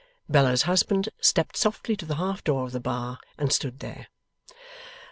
Bella's husband stepped softly to the half door of the bar, and stood there.